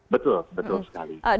betul betul sekali